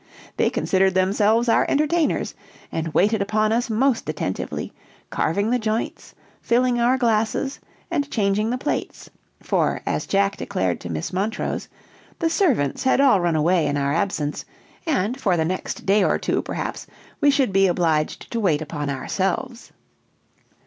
They considered themselves our entertainers, and waited upon us most attentively, carving the joints, filling our glasses, and changing the plates; for, as Jack declared to Miss Montrose, the servants had all run away in our absence, and, for the next day or two, perhaps we should be obliged to wait upon ourselves.